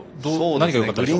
何がよかったんでしょうか。